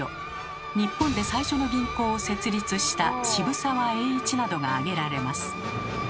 日本で最初の銀行を設立した渋沢栄一などが挙げられます。